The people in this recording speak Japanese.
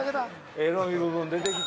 エロい部分出てきた。